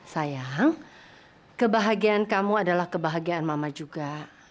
sayang kebahagiaan kamu adalah kebahagiaan mama juga